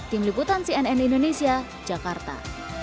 tim liputan cnn indonesia jakarta